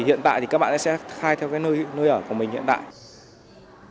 hiện tại thì các bạn sẽ khai theo nơi ở của mình hiện tại